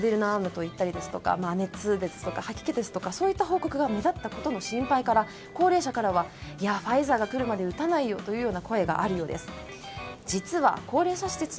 アームといったりですとか熱、吐き気ですとかそういった報告が目立ったことの心配から高齢者からはファイザーがくるまで打たないという声があるそうです。